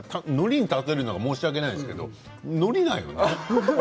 のりにたとえるなど申し訳ないですけどのりなんよね。